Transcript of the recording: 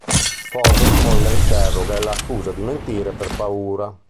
Ford poi la interroga e la accusa di mentire per paura.